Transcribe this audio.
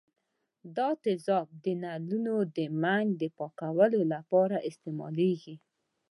دا تیزاب د نلونو د منګ د پاکولو لپاره استعمالیږي.